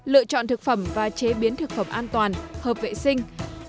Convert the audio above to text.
lựa chọn thực phẩm và chế biến thực phẩm an toàn hợp vệ sinh